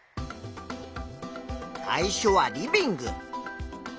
最初はリビング。